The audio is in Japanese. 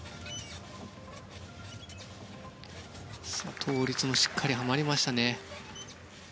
倒立もしっかりはまりましたね。